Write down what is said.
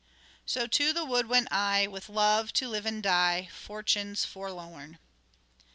So to the wood went I, With Love to live and die, Fortune's forlorn."